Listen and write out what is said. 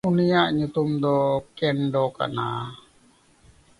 ᱩᱱᱤᱭᱟᱜ ᱧᱩᱛᱩᱢ ᱫᱚ ᱠᱮᱱᱰᱚ ᱠᱟᱱᱟ᱾